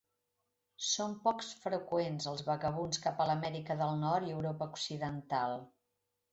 Són poc freqüents els vagabunds cap a l'Amèrica del Nord i Europa occidental.